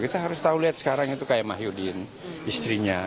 kita harus tahu lihat sekarang itu kayak mahyudin istrinya